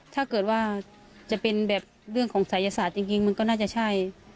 ถ้าเกิดว่าจะเป็นแบบเรื่องของศัยศาสตร์จริงมันก็น่าจะใช่